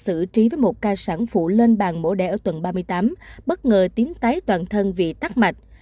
các bác sĩ đã sử trí với một ca sản phụ lên bàn mổ đẻ ở tuần ba mươi tám bất ngờ tím tái toàn thân vì tắc mạch